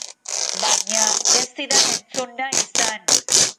Baina ez zidan entzun nahi izan.